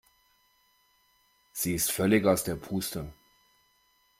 Sie ist völlig aus der Puste.